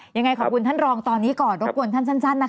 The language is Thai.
ยังไงขอบคุณท่านรองตอนนี้ก่อนรบกวนท่านสั้นนะคะ